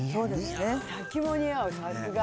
滝も似合う、さすが。